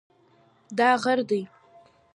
دا غر دی